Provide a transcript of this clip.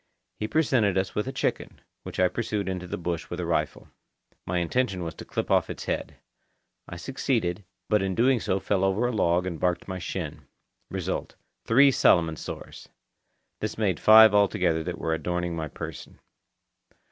He presented us with a chicken, which I pursued into the bush with a rifle. My intention was to clip off its head. I succeeded, but in doing so fell over a log and barked my shin. Result: three Solomon sores. This made five all together that were adorning my person.